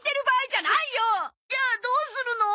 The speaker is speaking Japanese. じゃあどうするの？